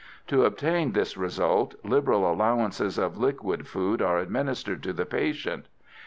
To obtain this result liberal allowances of liquid food are administered to the patient.